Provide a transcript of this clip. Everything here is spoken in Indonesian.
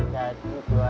jadi dua ratus tambah